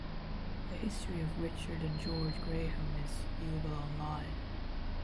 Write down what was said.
A history of Richard and George Graham is viewable online.